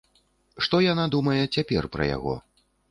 Што яна думае цяпер пра яго?